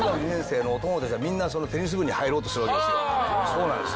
そうなんです。